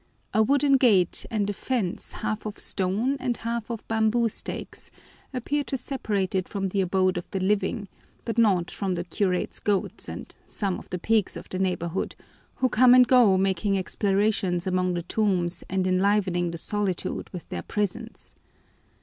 A wooden gate and a fence half of stone and half of bamboo stakes, appear to separate it from the abode of the living but not from the curate's goats and some of the pigs of the neighborhood, who come and go making explorations among the tombs and enlivening the solitude with their presence.